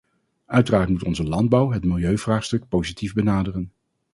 Uiteraard moet onze landbouw het milieuvraagstuk positief benaderen.